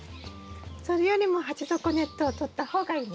それよりも鉢底ネットを取った方がいいんですね。